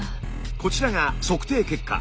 こちらが測定結果。